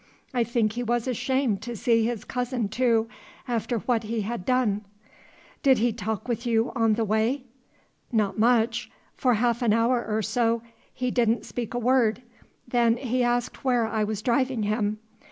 I think he was ashamed to see his cousin, too, after what he had done." "Did he talk with you on the way?" "Not much. For half an hour or so he did n't speak a word. Then he asked where I was driving him.